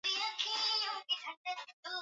Mto wa Kiberenge.